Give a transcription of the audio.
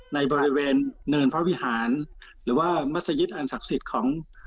ในบริเวณเนินพระวิหารหรือว่ามัศยิตอันศักดิ์สิทธิ์ของ